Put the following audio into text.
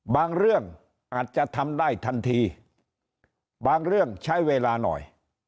บางเรื่องอาจจะทำได้ทันทีบางเรื่องใช้เวลาหน่อย